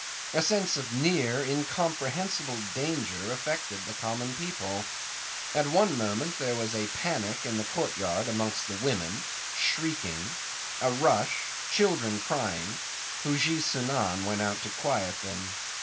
A sense of near, incomprehensible danger affected the common people. At one moment there was a panic in the courtyard amongst the women; shrieking; a rush; children crying Haji Sunan went out to quiet them.